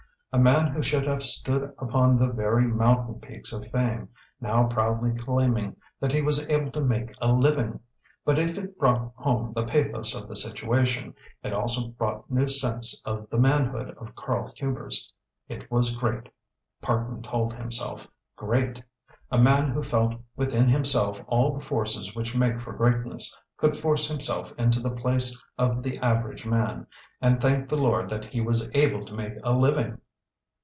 A man who should have stood upon the very mountain peaks of fame now proudly claiming that he was able to make a living! But if it brought home the pathos of the situation it also brought new sense of the manhood of Karl Hubers. It was great Parkman told himself great! A man who felt within himself all the forces which make for greatness could force himself into the place of the average man, and thank the Lord that he was able to make a living!